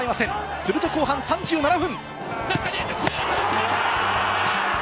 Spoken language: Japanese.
すると後半３７分。